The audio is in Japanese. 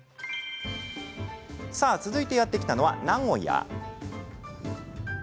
続いてやって来たのは名古屋。